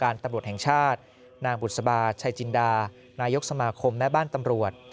ตำรวจแห่งชาตินางบุษบาชัยจินดานายกสมาคมแม่บ้านตำรวจ